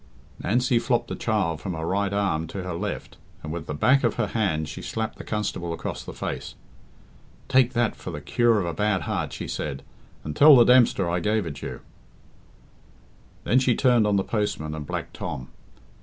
Nancy flopped the child from her right arm to her left, and with the back of her hand she slapped the constable across the face. "Take that for the cure of a bad heart," she said, "and tell the Dempster I gave it you." Then she turned on the postman and Black Tom.